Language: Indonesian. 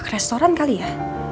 ke restoran kali ya